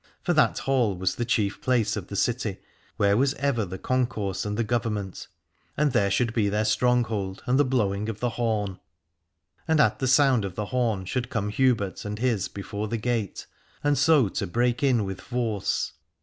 For that Hall was the chief place of the city, where was ever the concourse and the government : and there should be their stronghold and the blowing of the horn. And at the sound of the horn should come Hubert and his before the gate, and so to break in with force.